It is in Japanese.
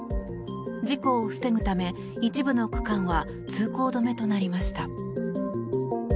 事故を防ぐため、一部の区間は通行止めとなりました。